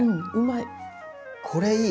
これいい！